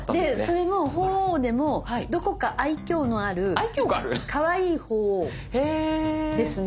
それも鳳凰でも「どこか愛きょうのあるかわいい鳳凰ですね」